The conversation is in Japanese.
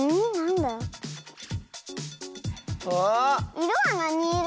いろはなにいろ？